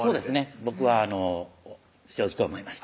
僕は正直思いました